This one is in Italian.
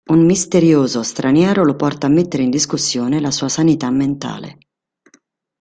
Un misterioso straniero lo porta a mettere in discussione la sua sanità mentale.